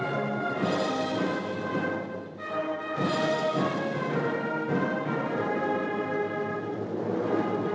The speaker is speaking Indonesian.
jangan lupa menentang